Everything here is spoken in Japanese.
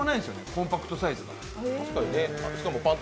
コンパクトサイズが。